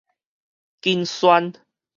緊旋